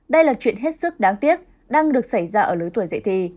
đây là chuyện hết sức đáng tiếc đang được xảy ra ở lưới tuổi dạy thi